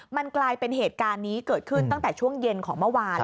มันกลายเป็นเหตุการณ์นี้เกิดขึ้นตั้งแต่ช่วงเย็นของเมื่อวาน